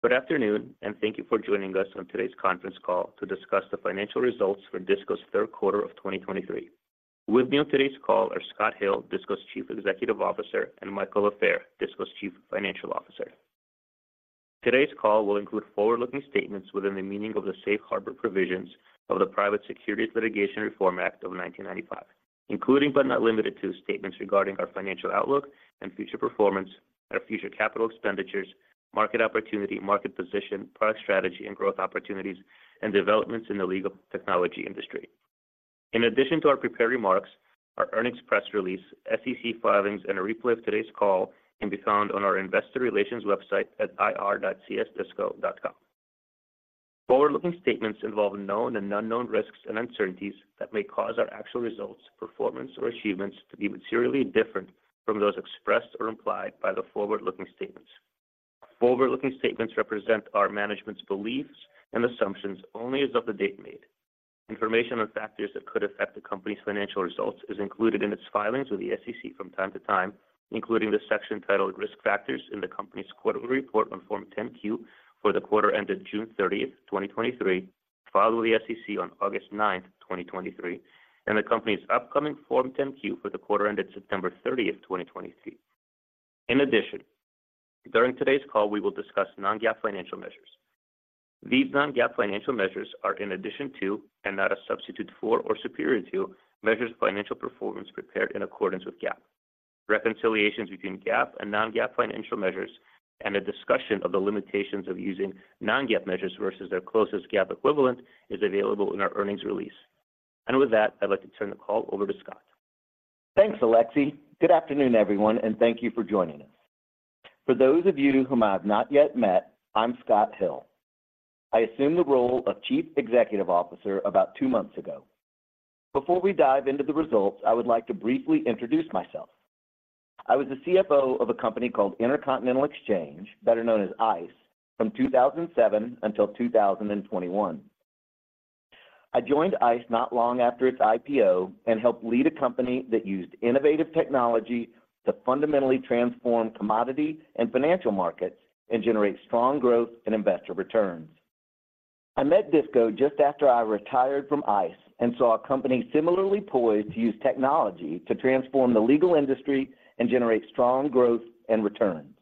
Good afternoon, and thank you for joining us on today's conference call to discuss the financial results for DISCO's third quarter of 2023. With me on today's call are Scott Hill, DISCO's Chief Executive Officer, and Michael Lafair, DISCO's Chief Financial Officer. Today's call will include forward-looking statements within the meaning of the Safe Harbor Provisions of the Private Securities Litigation Reform Act of 1995, including but not limited to, statements regarding our financial outlook and future performance, our future capital expenditures, market opportunity, market position, product strategy, and growth opportunities, and developments in the legal technology industry. In addition to our prepared remarks, our earnings press release, SEC filings, and a replay of today's call can be found on our investor relations website at ir.csdisco.com. Forward-looking statements involve known and unknown risks and uncertainties that may cause our actual results, performance, or achievements to be materially different from those expressed or implied by the forward-looking statements. Forward-looking statements represent our management's beliefs and assumptions only as of the date made. Information on factors that could affect the company's financial results is included in its filings with the SEC from time to time, including the section titled Risk Factors in the company's quarterly report on Form 10-Q for the quarter ended June 30, 2023, filed with the SEC on August 9, 2023, and the company's upcoming Form 10-Q for the quarter ended September 30, 2023. In addition, during today's call, we will discuss non-GAAP financial measures. These non-GAAP financial measures are in addition to, and not a substitute for or superior to, measures of financial performance prepared in accordance with GAAP. Reconciliations between GAAP and non-GAAP financial measures and a discussion of the limitations of using non-GAAP measures versus their closest GAAP equivalent is available in our earnings release. With that, I'd like to turn the call over to Scott. Thanks, Alexi. Good afternoon, everyone, and thank you for joining us. For those of you whom I have not yet met, I'm Scott Hill. I assumed the role of Chief Executive Officer about two months ago. Before we dive into the results, I would like to briefly introduce myself. I was the CFO of a company called Intercontinental Exchange, better known as ICE, from 2007 until 2021. I joined ICE not long after its IPO and helped lead a company that used innovative technology to fundamentally transform commodity and financial markets and generate strong growth and investor returns. I met Disco just after I retired from ICE and saw a company similarly poised to use technology to transform the legal industry and generate strong growth and returns.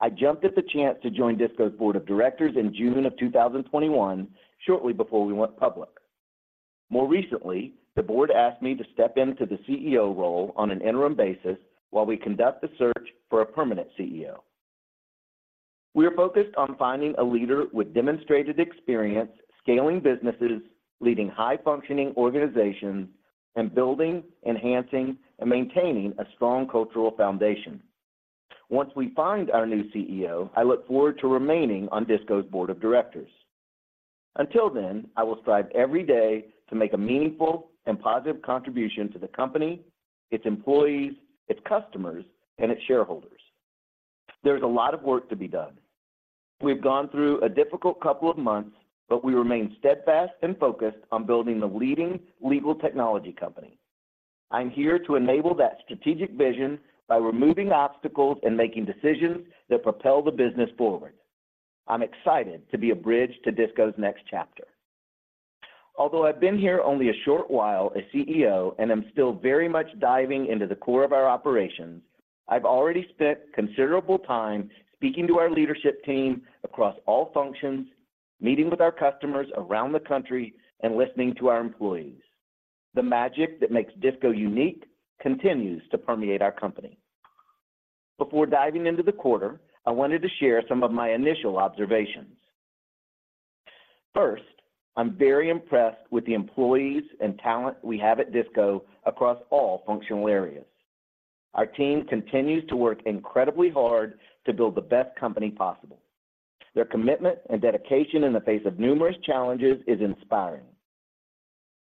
I jumped at the chance to join Disco's board of directors in June 2021, shortly before we went public. More recently, the board asked me to step into the CEO role on an interim basis while we conduct a search for a permanent CEO. We are focused on finding a leader with demonstrated experience scaling businesses, leading high-functioning organizations, and building, enhancing, and maintaining a strong cultural foundation. Once we find our new CEO, I look forward to remaining on Disco's board of directors. Until then, I will strive every day to make a meaningful and positive contribution to the company, its employees, its customers, and its shareholders. There's a lot of work to be done. We've gone through a difficult couple of months, but we remain steadfast and focused on building the leading legal technology company. I'm here to enable that strategic vision by removing obstacles and making decisions that propel the business forward. I'm excited to be a bridge to DISCO's next chapter. Although I've been here only a short while as CEO, and I'm still very much diving into the core of our operations, I've already spent considerable time speaking to our leadership team across all functions, meeting with our customers around the country, and listening to our employees. The magic that makes DISCO unique continues to permeate our company. Before diving into the quarter, I wanted to share some of my initial observations. First, I'm very impressed with the employees and talent we have at DISCO across all functional areas. Our team continues to work incredibly hard to build the best company possible. Their commitment and dedication in the face of numerous challenges is inspiring.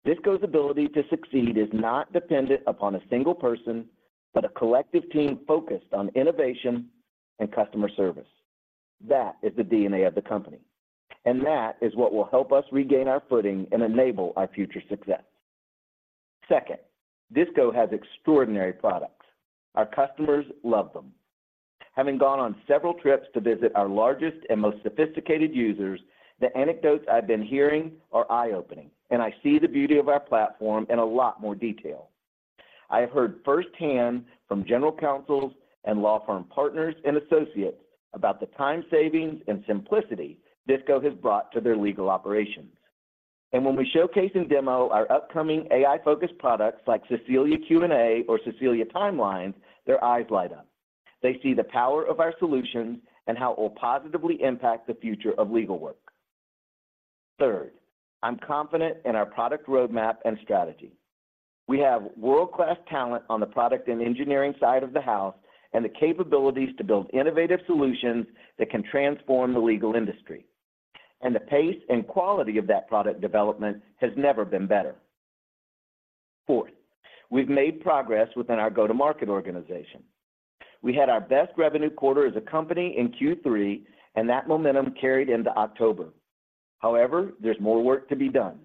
DISCO's ability to succeed is not dependent upon a single person, but a collective team focused on innovation and customer service. That is the DNA of the company, and that is what will help us regain our footing and enable our future success. Second, DISCO has extraordinary products. Our customers love them. Having gone on several trips to visit our largest and most sophisticated users, the anecdotes I've been hearing are eye-opening, and I see the beauty of our platform in a lot more detail. I have heard firsthand from general counsels and law firm partners and associates about the time savings and simplicity DISCO has brought to their legal operations. And when we showcase and demo our upcoming AI-focused products like Cecilia Q&A or Cecilia Timelines, their eyes light up. They see the power of our solutions and how it will positively impact the future of legal work. Third, I'm confident in our product roadmap and strategy. We have world-class talent on the product and engineering side of the house, and the capabilities to build innovative solutions that can transform the legal industry. The pace and quality of that product development has never been better. Fourth, we've made progress within our go-to-market organization. We had our best revenue quarter as a company in Q3, and that momentum carried into October. However, there's more work to be done...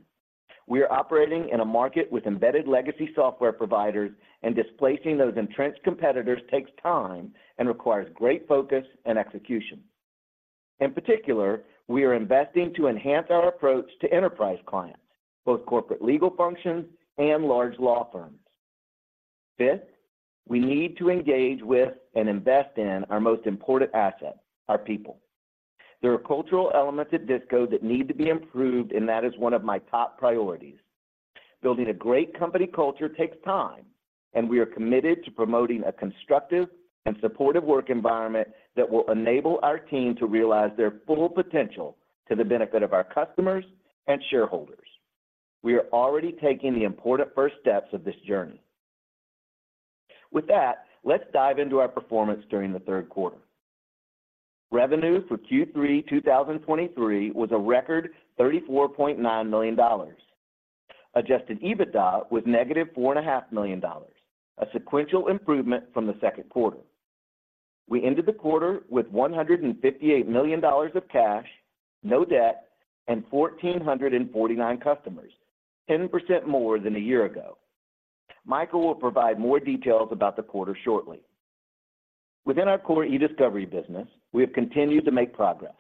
We are operating in a market with embedded legacy software providers, and displacing those entrenched competitors takes time and requires great focus and execution. In particular, we are investing to enhance our approach to enterprise clients, both corporate legal functions and large law firms. Fifth, we need to engage with and invest in our most important asset, our people. There are cultural elements at Disco that need to be improved, and that is one of my top priorities. Building a great company culture takes time, and we are committed to promoting a constructive and supportive work environment that will enable our team to realize their full potential to the benefit of our customers and shareholders. We are already taking the important first steps of this journey. With that, let's dive into our performance during the third quarter. Revenue for Q3, 2023, was a record $34.9 million. Adjusted EBITDA was -$1.5 million, a sequential improvement from the second quarter. We ended the quarter with $158 million of cash, no debt, and 1,449 customers, 10% more than a year ago. Michael will provide more details about the quarter shortly. Within our core eDiscovery business, we have continued to make progress.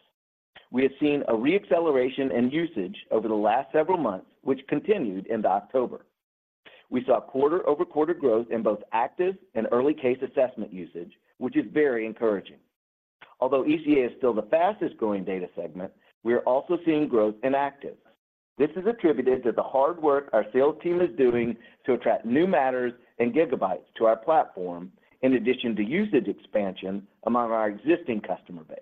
We have seen a re-acceleration in usage over the last several months, which continued into October. We saw quarter-over-quarter growth in both active and early case assessment usage, which is very encouraging. Although ECA is still the fastest-growing data segment, we are also seeing growth in active. This is attributed to the hard work our sales team is doing to attract new matters and gigabytes to our platform, in addition to usage expansion among our existing customer base.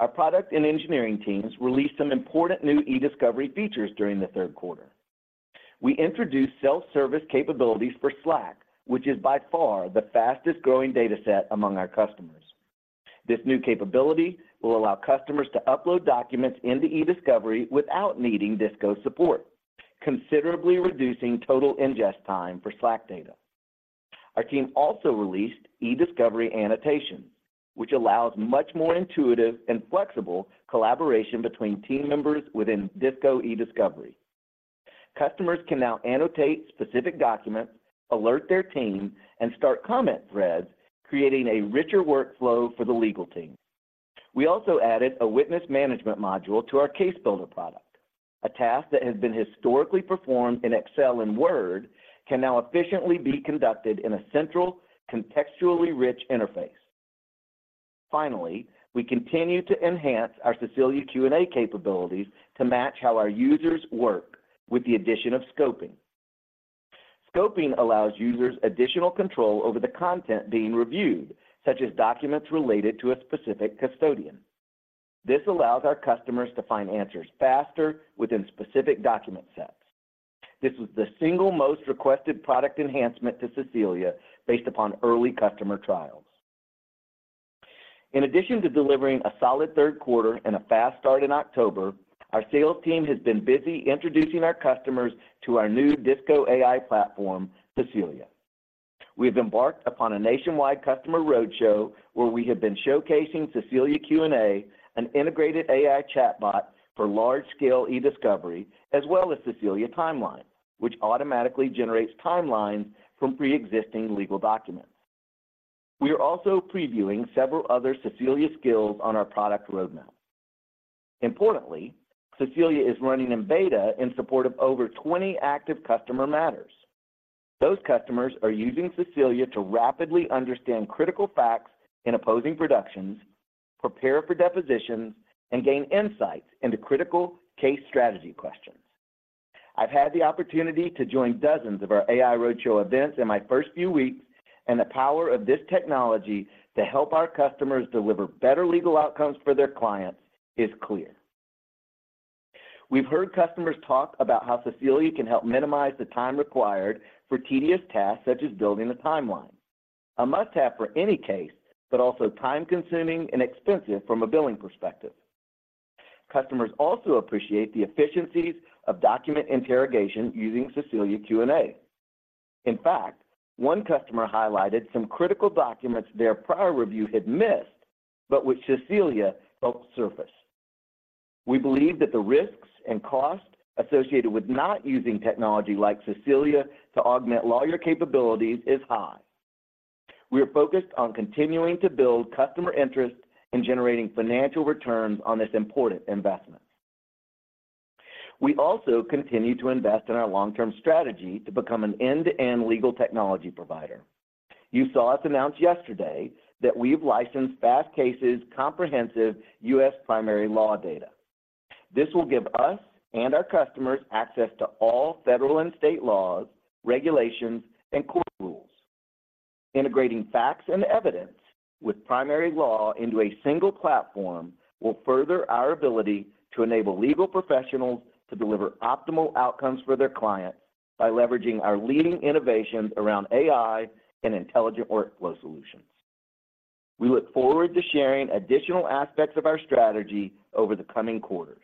Our product and engineering teams released some important new eDiscovery features during the third quarter. We introduced self-service capabilities for Slack, which is by far the fastest-growing data set among our customers. This new capability will allow customers to upload documents into eDiscovery without needing DISCO support, considerably reducing total ingest time for Slack data. Our team also released eDiscovery Annotation, which allows much more intuitive and flexible collaboration between team members within DISCO eDiscovery. Customers can now annotate specific documents, alert their team, and start comment threads, creating a richer workflow for the legal team. We also added a witness management module to our Case Builder product. A task that has been historically performed in Excel and Word can now efficiently be conducted in a central, contextually rich interface. Finally, we continue to enhance our Cecilia Q&A capabilities to match how our users work with the addition of scoping. Scoping allows users additional control over the content being reviewed, such as documents related to a specific custodian. This allows our customers to find answers faster within specific document sets. This was the single most requested product enhancement to Cecilia based upon early customer trials. In addition to delivering a solid third quarter and a fast start in October, our sales team has been busy introducing our customers to our new DISCO AI platform, Cecilia. We have embarked upon a nationwide customer roadshow, where we have been showcasing Cecilia Q&A, an integrated AI chatbot for large-scale eDiscovery, as well as Cecilia Timeline, which automatically generates timelines from preexisting legal documents. We are also previewing several other Cecilia skills on our product roadmap. Importantly, Cecilia is running in beta in support of over 20 active customer matters. Those customers are using Cecilia to rapidly understand critical facts in opposing productions, prepare for depositions, and gain insights into critical case strategy questions. I've had the opportunity to join dozens of our AI roadshow events in my first few weeks, and the power of this technology to help our customers deliver better legal outcomes for their clients is clear. We've heard customers talk about how Cecilia can help minimize the time required for tedious tasks, such as building a timeline, a must-have for any case, but also time-consuming and expensive from a billing perspective. Customers also appreciate the efficiencies of document interrogation using Cecilia Q&A. In fact, one customer highlighted some critical documents their prior review had missed, but which Cecilia helped surface. We believe that the risks and costs associated with not using technology like Cecilia to augment lawyer capabilities is high. We are focused on continuing to build customer interest in generating financial returns on this important investment. We also continue to invest in our long-term strategy to become an end-to-end legal technology provider. You saw us announce yesterday that we've licensed Fastcase's comprehensive U.S. primary law data. This will give us and our customers access to all federal and state laws, regulations, and court rules. Integrating facts and evidence with primary law into a single platform will further our ability to enable legal professionals to deliver optimal outcomes for their clients by leveraging our leading innovations around AI and intelligent workflow solutions. We look forward to sharing additional aspects of our strategy over the coming quarters.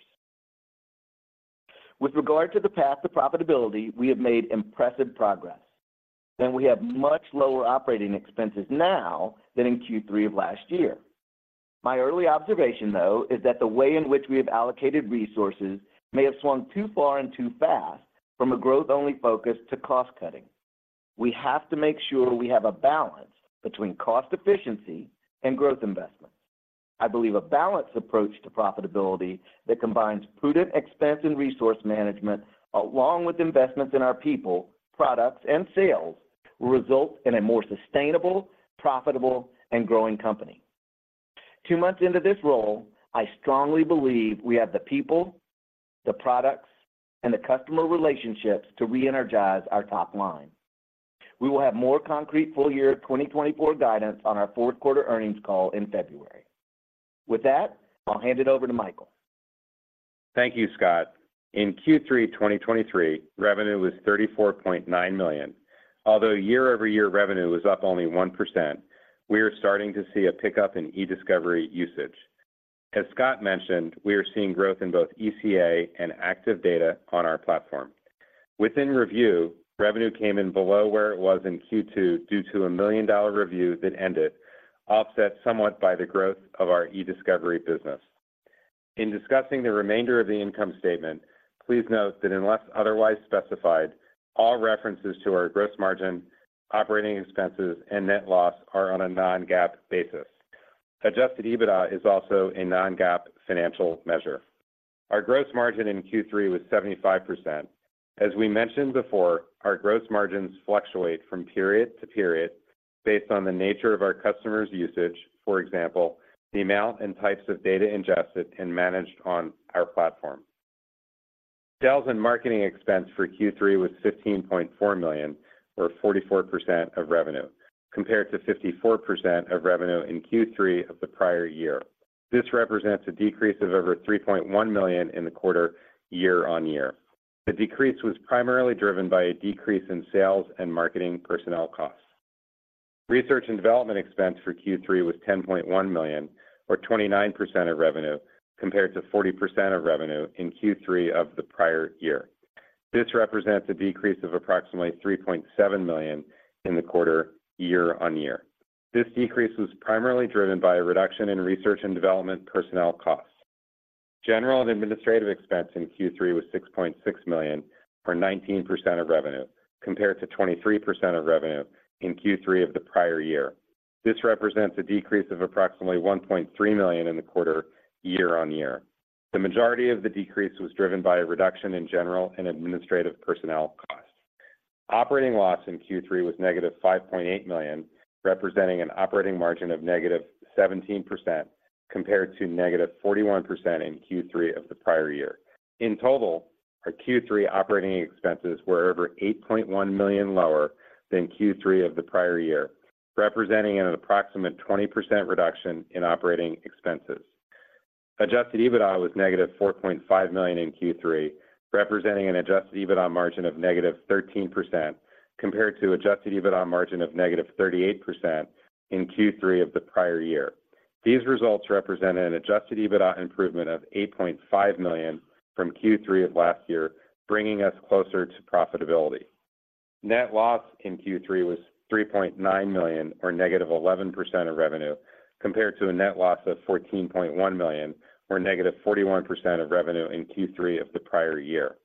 With regard to the path to profitability, we have made impressive progress, and we have much lower operating expenses now than in Q3 of last year.... My early observation, though, is that the way in which we have allocated resources may have swung too far and too fast from a growth-only focus to cost-cutting. We have to make sure we have a balance between cost efficiency and growth investments. I believe a balanced approach to profitability that combines prudent expense and resource management, along with investments in our people, products, and sales, will result in a more sustainable, profitable, and growing company. Two months into this role, I strongly believe we have the people, the products, and the customer relationships to reenergize our top line. We will have more concrete full year 2024 guidance on our fourth quarter earnings call in February. With that, I'll hand it over to Michael. Thank you, Scott. In Q3 2023, revenue was $34.9 million. Although year-over-year revenue was up only 1%, we are starting to see a pickup in eDiscovery usage. As Scott mentioned, we are seeing growth in both ECA and active data on our platform. Within review, revenue came in below where it was in Q2, due to a $1 million review that ended, offset somewhat by the growth of our eDiscovery business. In discussing the remainder of the income statement, please note that unless otherwise specified, all references to our gross margin, operating expenses, and net loss are on a non-GAAP basis. Adjusted EBITDA is also a non-GAAP financial measure. Our gross margin in Q3 was 75%. As we mentioned before, our gross margins fluctuate from period to period based on the nature of our customers' usage, for example, the amount and types of data ingested and managed on our platform. Sales and marketing expense for Q3 was $15.4 million, or 44% of revenue, compared to 54% of revenue in Q3 of the prior year. This represents a decrease of over $3.1 million in the quarter year-on-year. The decrease was primarily driven by a decrease in sales and marketing personnel costs. Research and development expense for Q3 was $10.1 million, or 29% of revenue, compared to 40% of revenue in Q3 of the prior year. This represents a decrease of approximately $3.7 million in the quarter year-on-year. This decrease was primarily driven by a reduction in research and development personnel costs. General and administrative expense in Q3 was $6.6 million, or 19% of revenue, compared to 23% of revenue in Q3 of the prior year. This represents a decrease of approximately $1.3 million in the quarter year-over-year. The majority of the decrease was driven by a reduction in general and administrative personnel costs. Operating loss in Q3 was -$5.8 million, representing an operating margin of -17%, compared to -41% in Q3 of the prior year. In total, our Q3 operating expenses were over $8.1 million lower than Q3 of the prior year, representing an approximate 20% reduction in operating expenses. Adjusted EBITDA was -$4.5 million in Q3, representing an adjusted EBITDA margin of -13%, compared to adjusted EBITDA margin of -38% in Q3 of the prior year. These results represent an adjusted EBITDA improvement of $8.5 million from Q3 of last year, bringing us closer to profitability. Net loss in Q3 was $3.9 million, or -11% of revenue, compared to a net loss of $14.1 million, or -41% of revenue in Q3 of the prior year.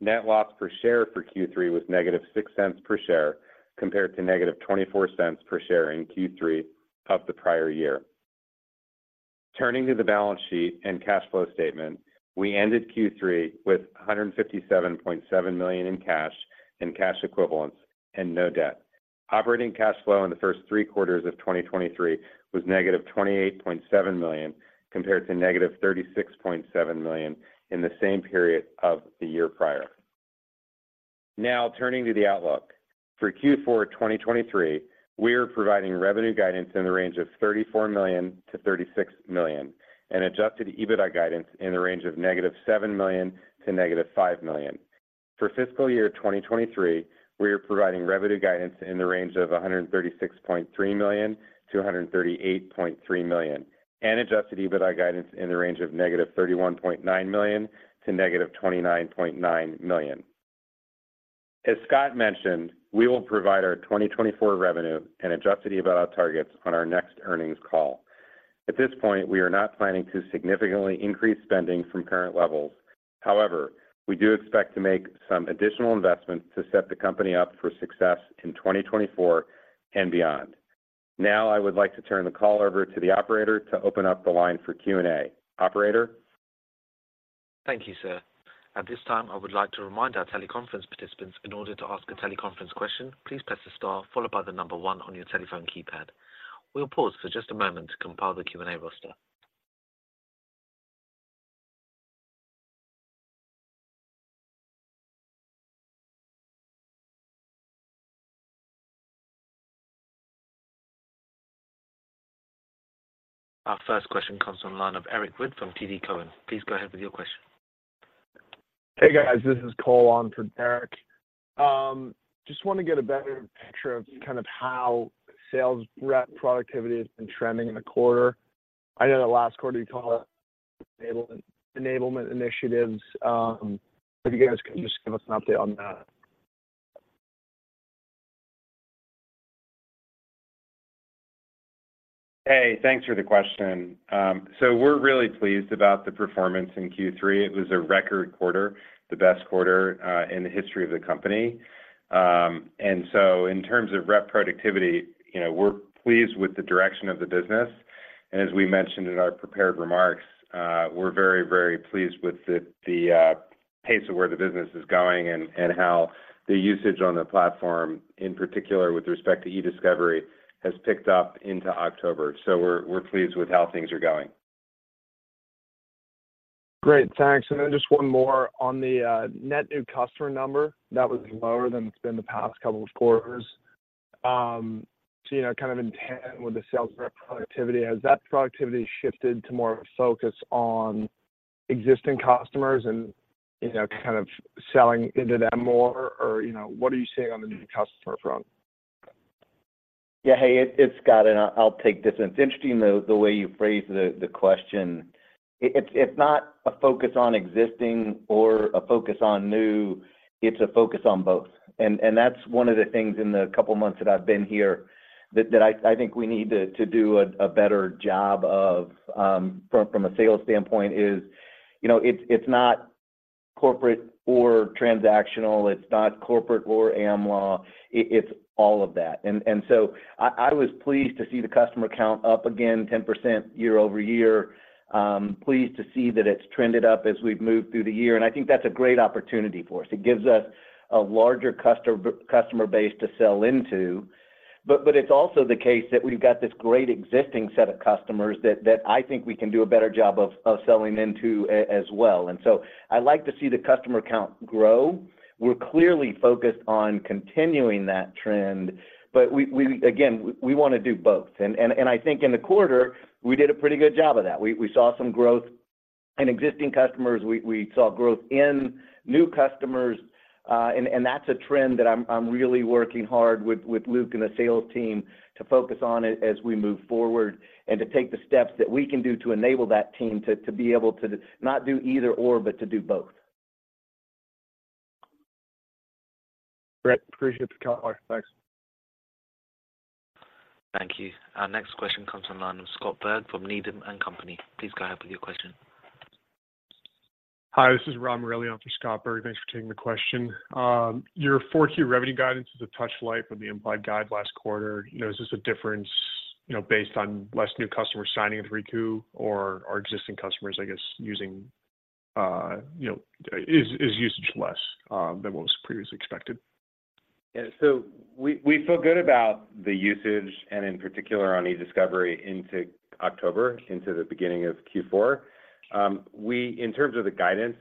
Net loss per share for Q3 was -$0.06 per share, compared to -$0.24 per share in Q3 of the prior year. Turning to the balance sheet and cash flow statement, we ended Q3 with $157.7 million in cash and cash equivalents and no debt. Operating cash flow in the first three quarters of 2023 was -$28.7 million, compared to -$36.7 million in the same period of the year prior. Now, turning to the outlook. For Q4 2023, we are providing revenue guidance in the range of $34 million-$36 million and Adjusted EBITDA guidance in the range of -$7 million to -$5 million. For fiscal year 2023, we are providing revenue guidance in the range of $136.3 million-$138.3 million and Adjusted EBITDA guidance in the range of -$31.9 million to -$29.9 million. As Scott mentioned, we will provide our 2024 revenue and Adjusted EBITDA targets on our next earnings call. At this point, we are not planning to significantly increase spending from current levels. However, we do expect to make some additional investments to set the company up for success in 2024 and beyond. Now, I would like to turn the call over to the operator to open up the line for Q&A. Operator? Thank you, sir. At this time, I would like to remind our teleconference participants in order to ask a teleconference question, please press star followed by the number one on your telephone keypad. We'll pause for just a moment to compile the Q&A roster. Our first question comes from the line of Eric Wood from TD Cowen. Please go ahead with your question. Hey, guys, this is Cole on for Eric. Just want to get a better picture of kind of how sales rep productivity has been trending in the quarter. I know that last quarter you called it enablement, enablement initiatives, if you guys can just give us an update on that? Hey, thanks for the question. So we're really pleased about the performance in Q3. It was a record quarter, the best quarter, in the history of the company. And so in terms of rep productivity, you know, we're pleased with the direction of the business, and as we mentioned in our prepared remarks, we're very, very pleased with the pace of where the business is going and how the usage on the platform, in particular with respect to eDiscovery, has picked up into October. So we're pleased with how things are going. Great, thanks. And then just one more on the net new customer number that was lower than it's been the past couple of quarters. So, you know, kind of in tandem with the sales rep productivity, has that productivity shifted to more of a focus on existing customers and, you know, kind of selling into them more? Or, you know, what are you seeing on the new customer front? Yeah, hey, it's Scott, and I'll take this. It's interesting the way you phrase the question. It's not a focus on existing or a focus on new, it's a focus on both. And that's one of the things in the couple of months that I've been here that I think we need to do a better job of from a sales standpoint is, you know, it's not corporate or transactional, it's not corporate or Am Law, it's all of that. And so I was pleased to see the customer count up again 10% year-over-year. Pleased to see that it's trended up as we've moved through the year, and I think that's a great opportunity for us. It gives us a larger customer base to sell into, but it's also the case that we've got this great existing set of customers that I think we can do a better job of selling into as well. So I like to see the customer count grow. We're clearly focused on continuing that trend, but again, we wanna do both. I think in the quarter, we did a pretty good job of that. We saw some growth in existing customers, we saw growth in new customers, and that's a trend that I'm really working hard with Luke and the sales team to focus on as we move forward, and to take the steps that we can do to enable that team to be able to not do either/or, but to do both. Great. Appreciate the color. Thanks. Thank you. Our next question comes from the line of Scott Berg from Needham and Company. Please go ahead with your question. Hi, this is Rob Morelli in for Scott Berg. Thanks for taking the question. Your four-tier revenue guidance is a touch light from the implied guide last quarter. You know, is this a difference, you know, based on less new customers signing with Ricoh or, are existing customers, I guess, using, you know... Is usage less than what was previously expected? Yeah. So we, we feel good about the usage, and in particular on eDiscovery into October, into the beginning of Q4. In terms of the guidance,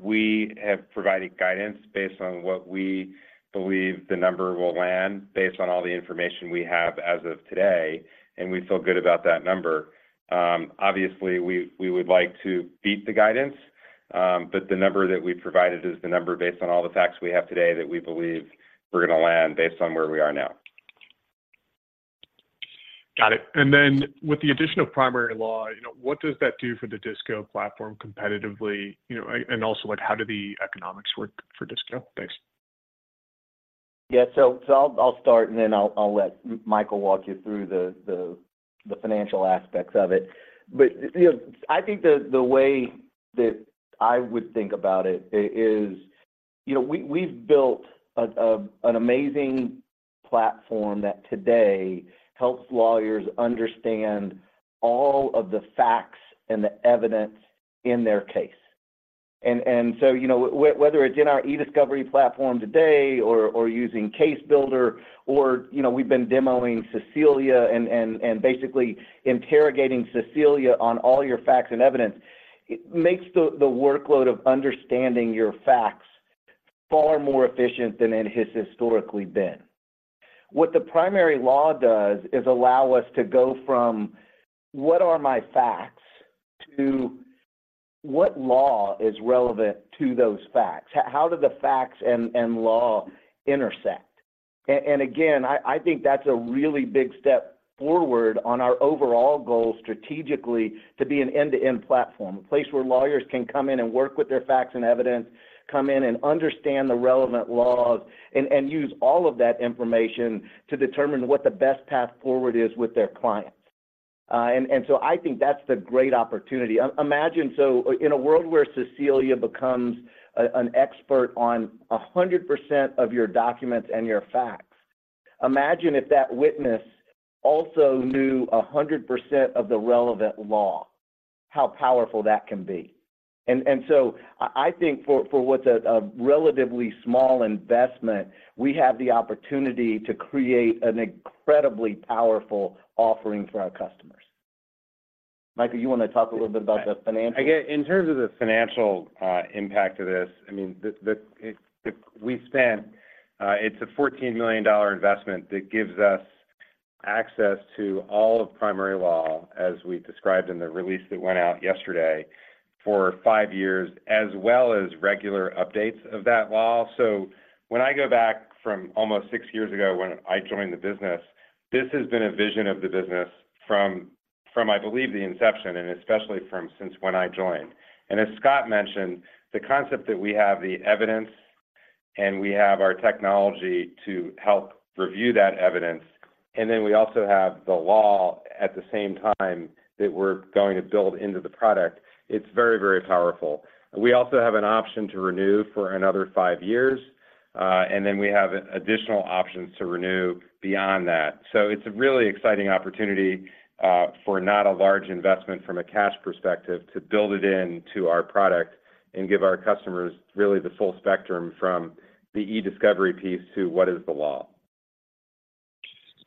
we have provided guidance based on what we believe the number will land, based on all the information we have as of today, and we feel good about that number. Obviously, we, we would like to beat the guidance, but the number that we provided is the number based on all the facts we have today that we believe we're gonna land based on where we are now. Got it. And then with the addition of Primary Law, you know, what does that do for the Disco platform competitively? You know, and also, like, how do the economics work for Disco? Thanks. Yeah. So, I'll start and then I'll let Michael walk you through the financial aspects of it. But, you know, I think the way that I would think about it is, you know, we've built an amazing platform that today helps lawyers understand all of the facts and the evidence in their case. And so, you know, whether it's in our eDiscovery platform today or using Case Builder or, you know, we've been demoing Cecilia and basically interrogating Cecilia on all your facts and evidence, it makes the workload of understanding your facts far more efficient than it has historically been. What the Primary Law does is allow us to go from, "What are my facts?" to, "What law is relevant to those facts? How do the facts and law intersect?" And again, I think that's a really big step forward on our overall goal strategically to be an end-to-end platform. A place where lawyers can come in and work with their facts and evidence, come in and understand the relevant laws, and use all of that information to determine what the best path forward is with their clients. And so I think that's the great opportunity. I imagine so, in a world where Cecilia becomes an expert on 100% of your documents and your facts, imagine if that witness also knew 100% of the relevant law, how powerful that can be. And so I think for what's a relatively small investment, we have the opportunity to create an incredibly powerful offering for our customers. Michael, you wanna talk a little bit about the financial? Again, in terms of the financial impact of this, I mean, we spent it's a $14 million investment that gives us access to all of Primary Law, as we described in the release that went out yesterday, for five years, as well as regular updates of that law. So when I go back from almost six years ago when I joined the business, this has been a vision of the business from, I believe, the inception, and especially from since when I joined. And as Scott mentioned, the concept that we have the evidence, and we have our technology to help review that evidence, and then we also have the law at the same time that we're going to build into the product, it's very, very powerful. We also have an option to renew for another five years, and then we have additional options to renew beyond that. So it's a really exciting opportunity, for not a large investment from a cash perspective, to build it into our product and give our customers really the full spectrum from the e-discovery piece to what is the law?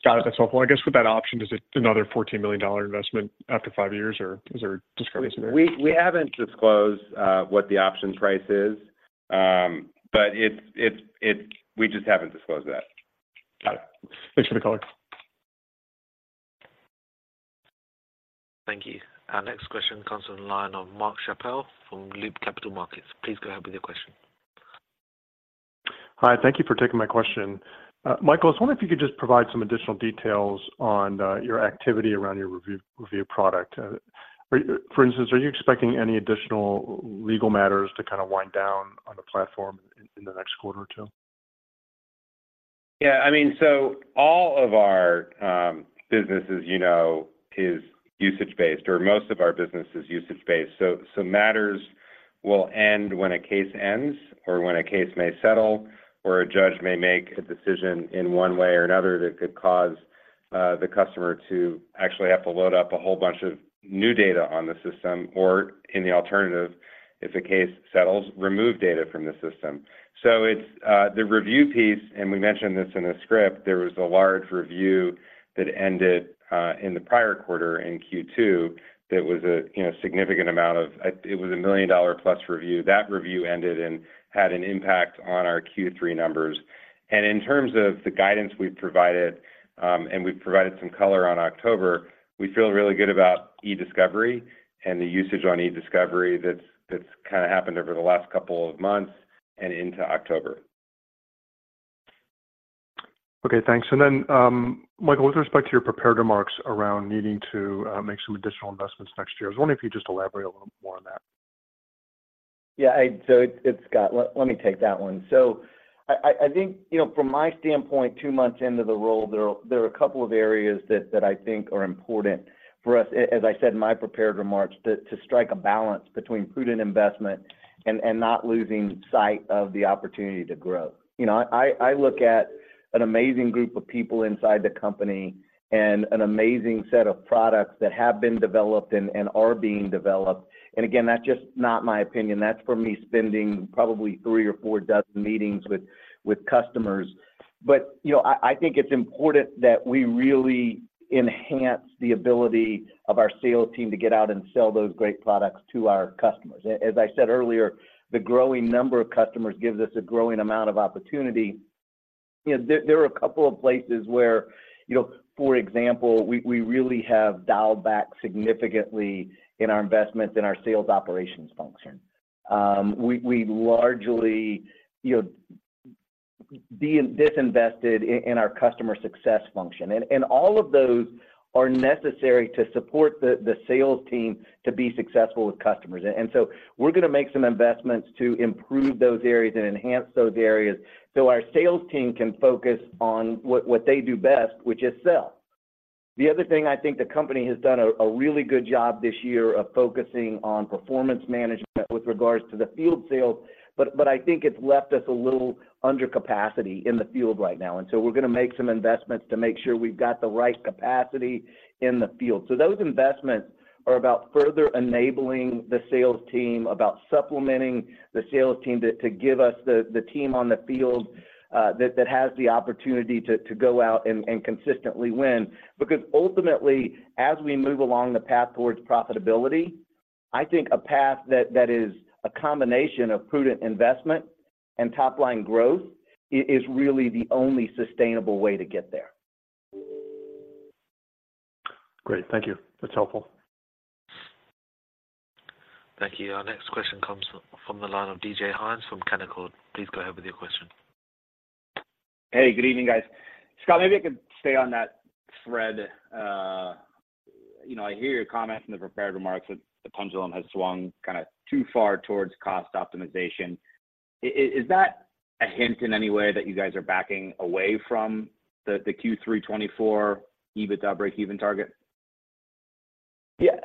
Got it. That's helpful. I guess with that option, is it another $14 million investment after five years, or is there disclosure there? We haven't disclosed what the option price is, but it's. We just haven't disclosed that. Got it. Thanks for the color. Thank you. Our next question comes from the line of Mark Schappel from Loop Capital Markets. Please go ahead with your question. Hi, thank you for taking my question. Michael, I was wondering if you could just provide some additional details on your activity around your review, review product. For instance, are you expecting any additional legal matters to kind of wind down on the platform in the next quarter or two? Yeah, I mean, so all of our business, as you know, is usage-based, or most of our business is usage-based. So, so matters will end when a case ends, or when a case may settle, or a judge may make a decision in one way or another that could cause the customer to actually have to load up a whole bunch of new data on the system, or in the alternative, if a case settles, remove data from the system. So it's the review piece, and we mentioned this in the script, there was a large review that ended in the prior quarter, in Q2, that was a, you know, significant amount of... It, it was a $1 million-plus review. That review ended and had an impact on our Q3 numbers. In terms of the guidance we've provided, and we've provided some color on October, we feel really good about e-discovery and the usage on e-discovery that's kinda happened over the last couple of months and into October. Okay, thanks. And then, Michael, with respect to your prepared remarks around needing to make some additional investments next year, I was wondering if you could just elaborate a little more on that? Yeah, so it's Scott. Let me take that one. So I think, you know, from my standpoint, two months into the role, there are a couple of areas that I think are important for us, as I said in my prepared remarks, to strike a balance between prudent investment and not losing sight of the opportunity to grow. You know, I look at an amazing group of people inside the company and an amazing set of products that have been developed and are being developed. And again, that's just not my opinion, that's from me spending probably three or four dozen meetings with customers. But, you know, I think it's important that we really enhance the ability of our sales team to get out and sell those great products to our customers. As I said earlier, the growing number of customers gives us a growing amount of opportunity. You know, there are a couple of places where, you know, for example, we really have dialed back significantly in our investments in our sales operations function. We've largely, you know, disinvested in our customer success function, and all of those are necessary to support the sales team to be successful with customers. And so we're gonna make some investments to improve those areas and enhance those areas, so our sales team can focus on what they do best, which is sell. The other thing I think the company has done a really good job this year of focusing on performance management with regards to the field sales, but I think it's left us a little under capacity in the field right now, and so we're gonna make some investments to make sure we've got the right capacity in the field. So those investments are about further enabling the sales team, about supplementing the sales team, to give us the team on the field, that has the opportunity to go out and consistently win. Because ultimately, as we move along the path towards profitability, I think a path that is a combination of prudent investment and top-line growth is really the only sustainable way to get there. Great. Thank you. That's helpful. Thank you. Our next question comes from the line of D.J. Hynes from Canaccord. Please go ahead with your question. Hey, good evening, guys. Scott, maybe I could stay on that thread. You know, I hear your comments in the prepared remarks that the pendulum has swung kinda too far towards cost optimization. Is that a hint in any way that you guys are backing away from the Q3 2024 EBITDA breakeven target? Yeah,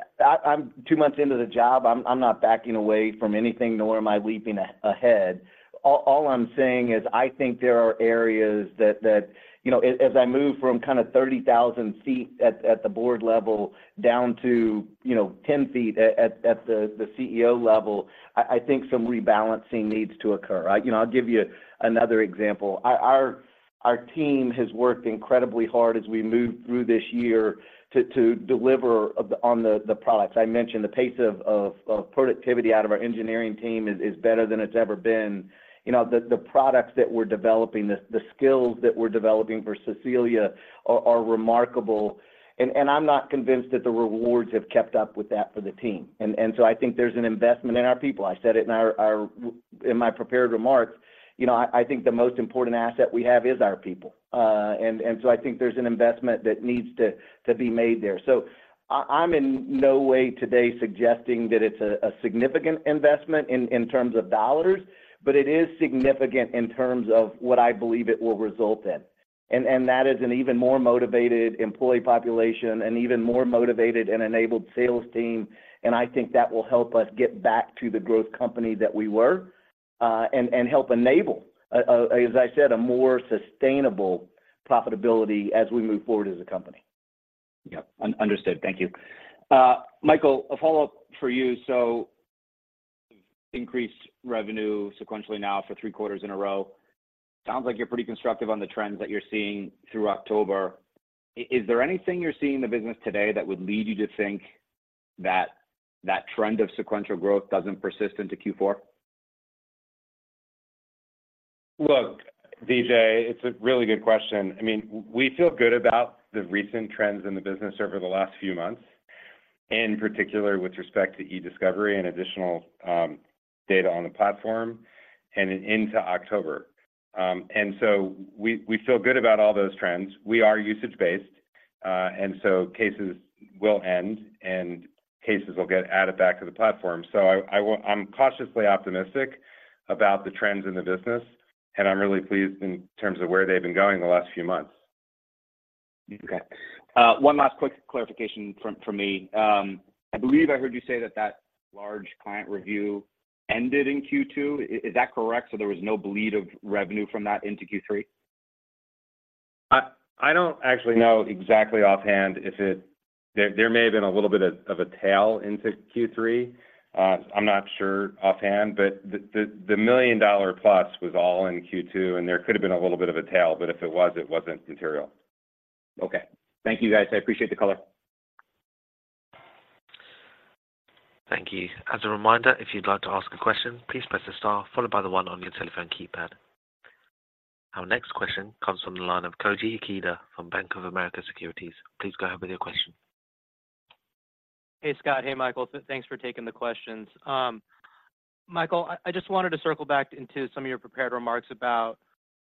I'm two months into the job. I'm not backing away from anything, nor am I leaping ahead. All I'm saying is, I think there are areas that... You know, as I move from kind of 30,000 feet at the board level down to, you know, 10 feet at the CEO level, I think some rebalancing needs to occur. You know, I'll give you another example. Our team has worked incredibly hard as we moved through this year to deliver on the products. I mentioned the pace of productivity out of our engineering team is better than it's ever been. You know, the products that we're developing, the skills that we're developing for Cecilia are remarkable, and I'm not convinced that the rewards have kept up with that for the team. And so I think there's an investment in our people. I said it in our in my prepared remarks, you know, I think the most important asset we have is our people. And so I think there's an investment that needs to be made there. So I'm in no way today suggesting that it's a significant investment in terms of dollars, but it is significant in terms of what I believe it will result in. That is an even more motivated employee population, an even more motivated and enabled sales team, and I think that will help us get back to the growth company that we were, and help enable, as I said, a more sustainable profitability as we move forward as a company. Yeah. Understood. Thank you. Michael, a follow-up for you. So increase revenue sequentially now for three quarters in a row. Sounds like you're pretty constructive on the trends that you're seeing through October. Is there anything you're seeing in the business today that would lead you to think that that trend of sequential growth doesn't persist into Q4? Look, DJ, it's a really good question. I mean, we feel good about the recent trends in the business over the last few months, in particular, with respect to eDiscovery and additional data on the platform and into October. And so we feel good about all those trends. We are usage-based, and so cases will end, and cases will get added back to the platform. So I'm cautiously optimistic about the trends in the business, and I'm really pleased in terms of where they've been going the last few months. Okay. One last quick clarification from me. I believe I heard you say that that large client review ended in Q2. Is that correct? So there was no bleed of revenue from that into Q3. I don't actually know exactly offhand if it... There may have been a little bit of a tail into Q3. I'm not sure offhand, but the million-dollar plus was all in Q2, and there could have been a little bit of a tail, but if it was, it wasn't material. Okay. Thank you, guys. I appreciate the color. Thank you. As a reminder, if you'd like to ask a question, please press the star followed by the one on your telephone keypad. Our next question comes from the line of Koji Ikeda from Bank of America Securities. Please go ahead with your question. Hey, Scott. Hey, Michael. Thanks for taking the questions. Michael, I just wanted to circle back into some of your prepared remarks about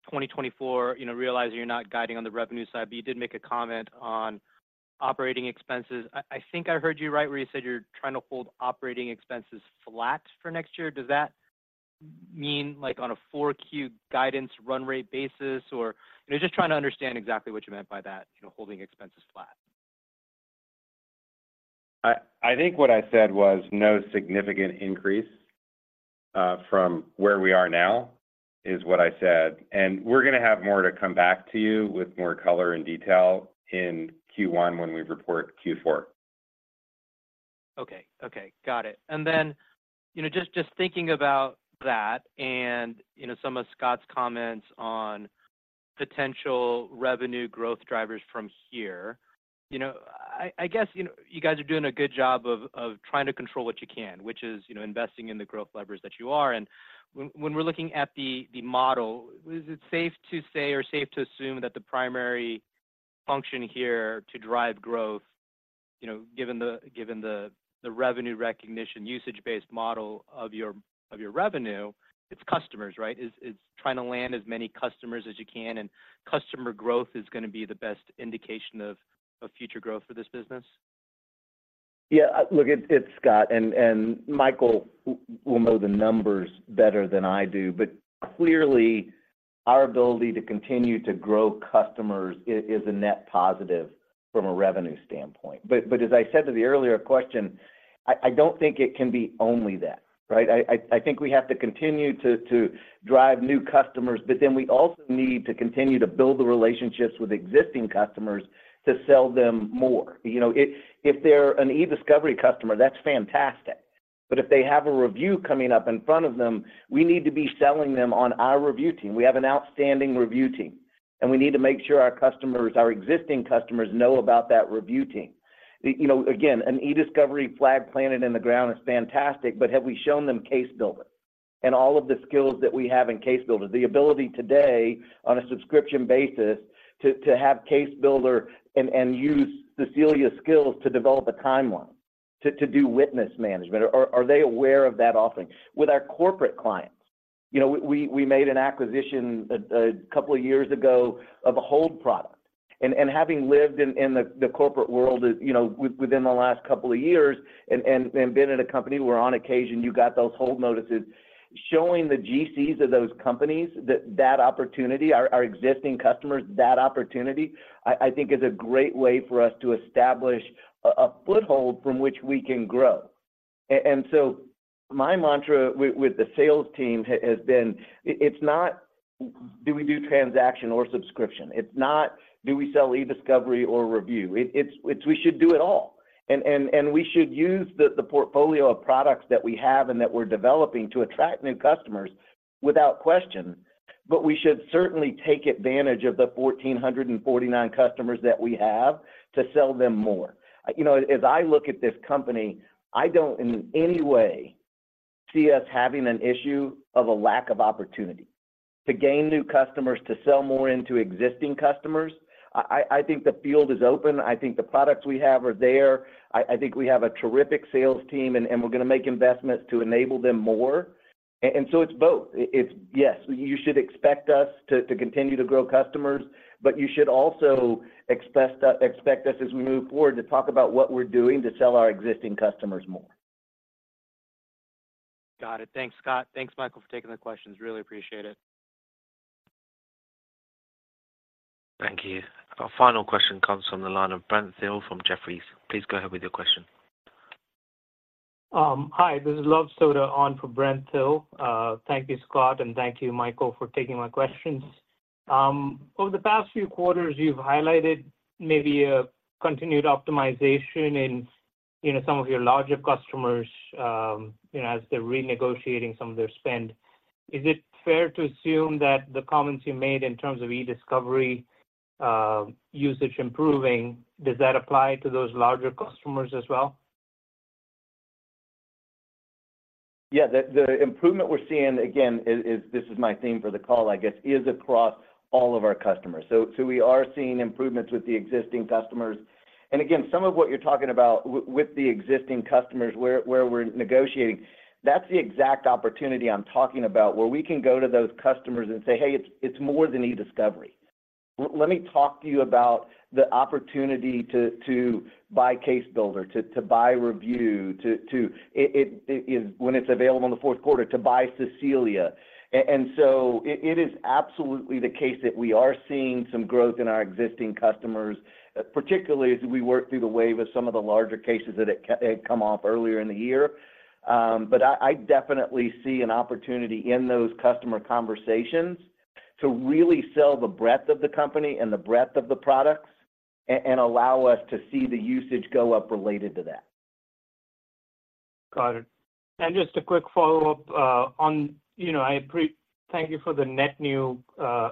2024, you know, realizing you're not guiding on the revenue side, but you did make a comment on operating expenses. I think I heard you right where you said you're trying to hold operating expenses flat for next year. Does that mean, like, on a 4Q guidance run rate basis, or... Just trying to understand exactly what you meant by that, you know, holding expenses flat? I think what I said was no significant increase from where we are now, is what I said. We're gonna have more to come back to you with more color and detail in Q1 when we report Q4. Okay. Okay, got it. And then, you know, just, just thinking about that and, you know, some of Scott's comments on potential revenue growth drivers from here, you know, I, I guess, you know, you guys are doing a good job of, of trying to control what you can, which is, you know, investing in the growth levers that you are. And when, when we're looking at the, the model, is it safe to say or safe to assume that the primary function here to drive growth, you know, given the, given the, the revenue recognition, usage-based model of your, of your revenue, it's customers, right? It's, it's trying to land as many customers as you can, and customer growth is gonna be the best indication of, of future growth for this business. Yeah, look, it's Scott, and Michael will know the numbers better than I do, but clearly, our ability to continue to grow customers is a net positive from a revenue standpoint. But as I said to the earlier question, I think we have to continue to drive new customers, but then we also need to continue to build the relationships with existing customers to sell them more. You know, if they're an e-discovery customer, that's fantastic, but if they have a review coming up in front of them, we need to be selling them on our review team. We have an outstanding review team, and we need to make sure our customers, our existing customers, know about that review team. You know, again, an e-discovery flag planted in the ground is fantastic, but have we shown them Case Builder and all of the skills that we have in Case Builder? The ability today, on a subscription basis, to have Case Builder and use Cecilia's skills to develop a timeline, to do witness management, are they aware of that offering? With our corporate clients, you know, we made an acquisition a couple of years ago of a hold product, and having lived in the corporate world, you know, within the last couple of years and been in a company where on occasion you got those hold notices, showing the GCs of those companies that opportunity, our existing customers, that opportunity, I think is a great way for us to establish a foothold from which we can grow. And so my mantra with the sales team has been, it's not, do we do transaction or subscription? It's not, do we sell e-discovery or review? We should do it all, and we should use the portfolio of products that we have and that we're developing to attract new customers without question, but we should certainly take advantage of the 1,449 customers that we have to sell them more. You know, as I look at this company, I don't in any way see us having an issue of a lack of opportunity to gain new customers, to sell more into existing customers. I think the field is open. I think the products we have are there. I think we have a terrific sales team, and we're gonna make investments to enable them more. And so it's both. Yes, you should expect us to continue to grow customers, but you should also expect us, as we move forward, to talk about what we're doing to sell our existing customers more. Got it. Thanks, Scott. Thanks, Michael, for taking the questions. Really appreciate it. Thank you. Our final question comes from the line of Brent Thill from Jefferies. Please go ahead with your question. Hi, this is Luv Sodha on for Brent Thill. Thank you, Scott, and thank you, Michael, for taking my questions. Over the past few quarters, you've highlighted maybe a continued optimization in, you know, some of your larger customers, you know, as they're renegotiating some of their spend. Is it fair to assume that the comments you made in terms of eDiscovery, usage improving, does that apply to those larger customers as well? Yeah, the improvement we're seeing, again, is—this is my theme for the call, I guess—is across all of our customers. So we are seeing improvements with the existing customers. And again, some of what you're talking about with the existing customers, where we're negotiating, that's the exact opportunity I'm talking about, where we can go to those customers and say, "Hey, it's more than eDiscovery. Let me talk to you about the opportunity to buy Case Builder, to buy Review, to..." It, when it's available in the fourth quarter, "to buy Cecilia." And so it is absolutely the case that we are seeing some growth in our existing customers, particularly as we work through the wave of some of the larger cases that had come off earlier in the year. But I definitely see an opportunity in those customer conversations to really sell the breadth of the company and the breadth of the products and allow us to see the usage go up related to that. Got it. Just a quick follow-up on, you know, thank you for the net new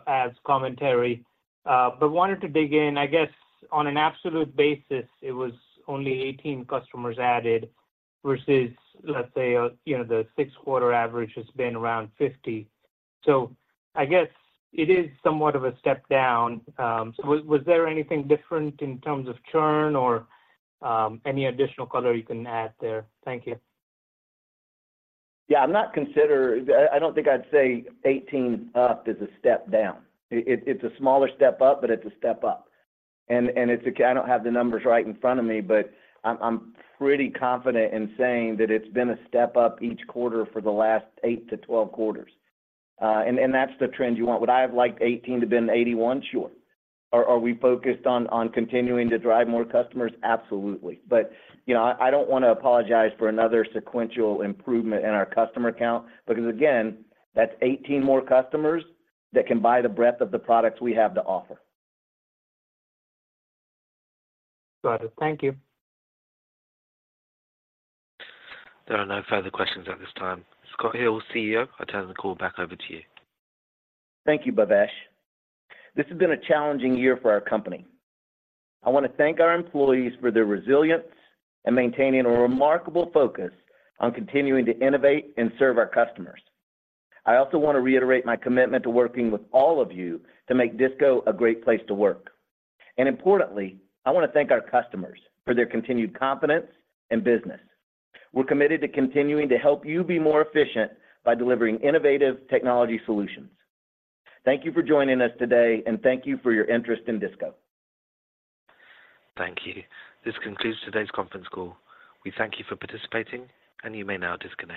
adds commentary. But wanted to dig in, I guess, on an absolute basis, it was only 18 customers added, versus, let's say, you know, the six-quarter average has been around 50. So I guess it is somewhat of a step down. So was there anything different in terms of churn or any additional color you can add there? Thank you. Yeah, I don't think I'd say 18 up is a step down. It's a smaller step up, but it's a step up. And it's okay, I don't have the numbers right in front of me, but I'm pretty confident in saying that it's been a step up each quarter for the last eight-12 quarters. And that's the trend you want. Would I have liked 18 to have been 81? Sure. Are we focused on continuing to drive more customers? Absolutely. But you know, I don't wanna apologize for another sequential improvement in our customer count, because again, that's 18 more customers that can buy the breadth of the products we have to offer. Got it. Thank you. There are no further questions at this time. Scott Hill, CEO, I turn the call back over to you. Thank you, Bhavesh. This has been a challenging year for our company. I want to thank our employees for their resilience and maintaining a remarkable focus on continuing to innovate and serve our customers. I also want to reiterate my commitment to working with all of you to make Disco a great place to work. Importantly, I want to thank our customers for their continued confidence and business. We're committed to continuing to help you be more efficient by delivering innovative technology solutions. Thank you for joining us today, and thank you for your interest in Disco. Thank you. This concludes today's conference call. We thank you for participating, and you may now disconnect.